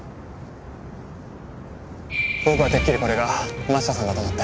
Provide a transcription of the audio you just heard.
僕はてっきりこれが真下さんだと思って。